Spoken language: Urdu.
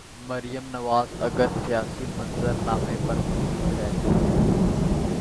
مریم نواز اگر سیاسی منظر نامے پر موجود رہتی ہیں۔